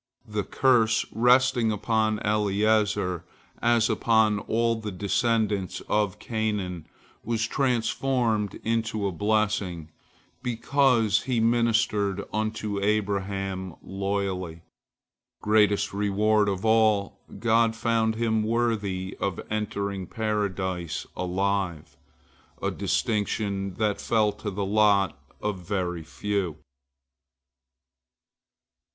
The curse resting upon Eliezer, as upon all the descendants of Canaan, was transformed into a blessing, because he ministered unto Abraham loyally. Greatest reward of all, God found him worthy of entering Paradise alive, a distinction that fell to the lot of very few.